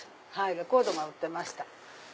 レコードが売ってました。